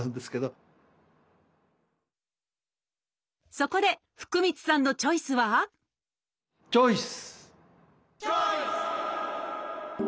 そこで福満さんのチョイスはチョイス！